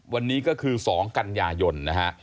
วันนี้ก็คือ๒กันยายนนะฮะ